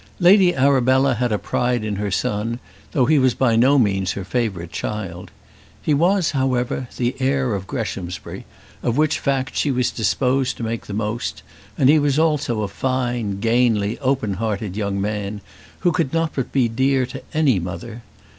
Lady Arabella had a pride in her son, though he was by no means her favourite child. He was, however, the heir of Greshamsbury, of which fact she was disposed to make the most, and he was also a fine gainly open hearted young man, who could not but be dear to any mother.